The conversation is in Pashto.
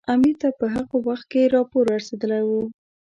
امیر ته په هغه وخت کې راپور رسېدلی وو.